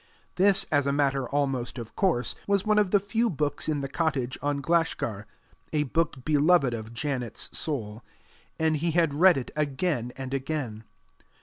This, as a matter almost of course, was one of the few books in the cottage on Glashgar a book beloved of Janet's soul and he had read it again and again.